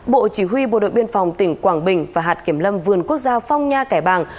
bộ chỉ huy bộ đội biên phòng tỉnh quảng bình và hạt kiểm lâm vườn quốc gia phong nha kẻ bàng